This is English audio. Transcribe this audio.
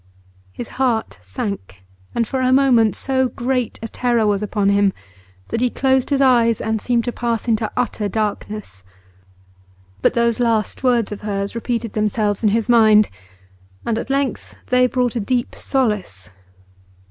His heart sank, and for a moment so great a terror was upon him that he closed his eyes and seemed to pass into utter darkness. But those last words of hers repeated themselves in his mind, and at length they brought a deep solace.